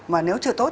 mà nếu chưa tốt